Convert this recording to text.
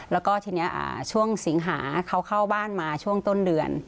แล้วก็ทีนี้ช่วงสิงหาเขาเข้าบ้านมาช่วงต้นเดือน